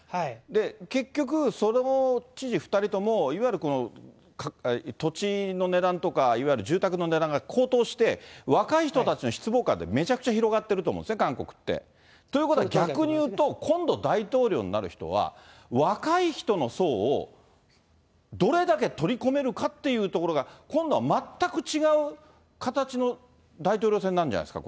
結局それも知事２人が、土地の値段とか、いわゆる住宅の値段が高騰して、若い人たちの失望感ってめちゃくちゃ広がっていると思うんですね、韓国って。ということは、逆に言うと今度、大統領になる人は、若い人の層をどれだけ取り込めるかっていうところが、今度は全く違う形の大統領選なんじゃないですか？